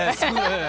ええ。